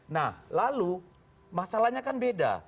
nah lalu masalahnya kan beda